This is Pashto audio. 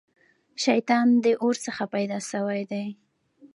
شيطان د اور څخه پيدا سوی دی